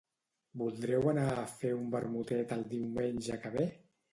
Voldreu anar a fer un vermutet el diumenge que ve?